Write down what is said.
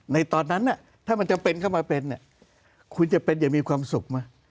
ในตอนนั้นถ้ามันจำเป็นเข้ามาเป็นคุณจะเป็นอย่างมีความสุขไหม